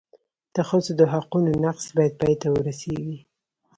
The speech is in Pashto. د ښځو د حقونو نقض باید پای ته ورسېږي.